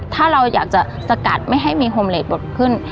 ถ้าเราอยากจะสกัดไม่ให้มีโฮมเลสบทขึ้น